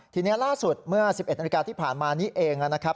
ทีนี้ล่าสุดเมื่อ๑๑นาฬิกาที่ผ่านมานี้เองนะครับ